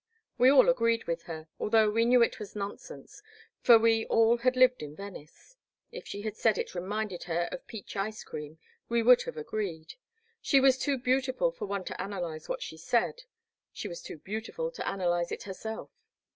We all agreed with her, although we knew it was nonsense, for we all had lived in Venice. If she had said it reminded her of peach ice cream, we would have agreed. She was too beautiful for one to analyze what she said — ^she was too beauti ful to analyze it herself.